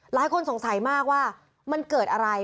หลายคนสงสัยมากว่ามันเกิดอะไร